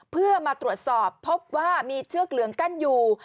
เพื่อมาตรวจสอบพบว่ามีเชือกเหลืองกั้นอยู่